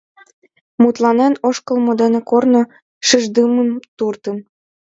Мутланен ошкылмо дене корно шиждымын туртын.